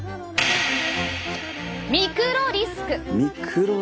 ミクロリスク？